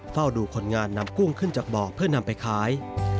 เฝ้าดูคนงานนำกุ้งขึ้นจากบ่อเพื่อนำไปขาย